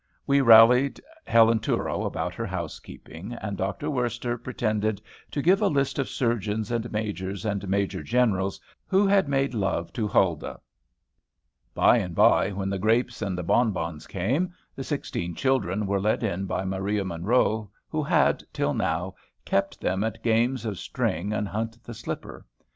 We rallied Helen Touro about her housekeeping; and Dr. Worster pretended to give a list of Surgeons and Majors and Major Generals who had made love to Huldah. By and by, when the grapes and the bonbons came, the sixteen children were led in by Maria Munro, who had, till now, kept them at games of string and hunt the slipper.